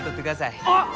あっ！